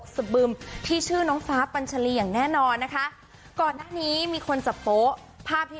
สบึมที่ชื่อน้องฟ้าปัญชลีอย่างแน่นอนนะคะก่อนหน้านี้มีคนจับโป๊ะภาพที่